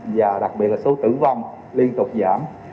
và đặc biệt là số tử vong liên tục giảm